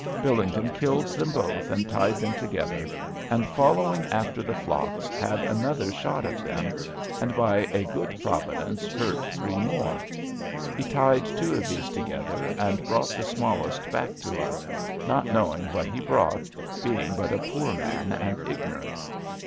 Billington killed them both and tyed them together, and following after the flocke had another shot at them, and by a good Providence hurte three more. He tyed two of these together and brought the smallest back to us, not knowing what he brought, being but a poor man and ignorant.